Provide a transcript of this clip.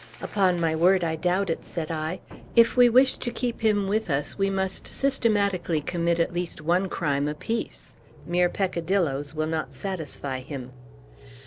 "Upon my word, I doubt it," said I. "If we wish to keep him with us, we must systematically commit at least one crime apiece! Mere peccadillos will not satisfy him."